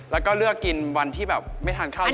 แล้วก็เลือกกินวันที่แบบไม่ทานข้าว